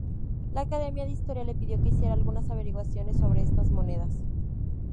La Academia de Historia le pidió que hiciera algunas averiguaciones sobre estas monedas.